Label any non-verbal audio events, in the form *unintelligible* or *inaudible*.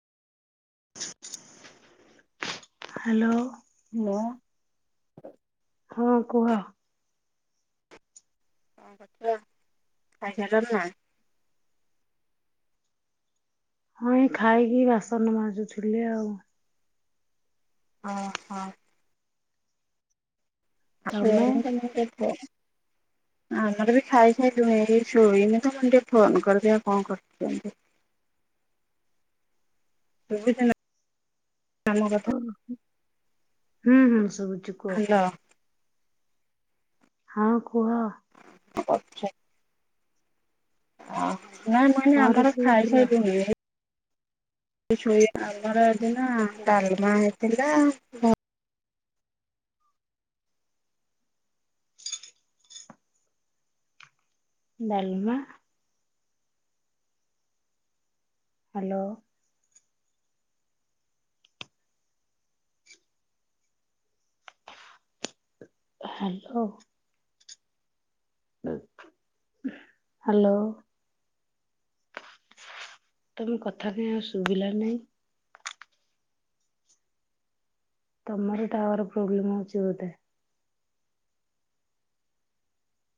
Hello. Hello. ହଁ କୁହ? କ କରୁଥୁଲ ଖାଇସାରିଲଣିନା? ହଁ ଏଇ ଖାଇକି ବାସନ ମାଜୁଥିଲି ଆଉ। ଓ ହୋ। ତମେ? *unintelligible* ଆମର ବି ଖାଇ ସାଇଲୁଣି। ଏଇ ସୋଇନିତ ମୁ କହିଁନି ଟିକେ ଫୋନ କରେ ଦେଖିଆ କଣ କରଚନ୍ତି। ସୁବୁଚିନା? ଆମ କଥା ଓହୋ। ହୁଁ ହୁଁ। ସୁବୁଚି କୁହ ହ୍ୟାଲୋ। କୁହ। ହଁ କୁହ। କଣ କରୁଛ? କଣ କରି ନା ମୁଁ ଏଇନେ କଣ ଆମର ରୋଷେଇ କରିଥିଲ? ଖାଇସାରିଲୁଣି। ଆମର ଦିନ ଡାଲମା ହେଇଥିଲା ଡ଼ାଲମା ହ୍ୟାଲୋ। ହ୍ୟାଲୋ। ହ୍ୟାଲୋ ତମେ କଥା କ ଆଉ ଶୁଭିଲା ନାଇଁ ତମର ଟାୱାର ପ୍ରୋବ୍ଲେମ ହଉଛି ବୋଧେ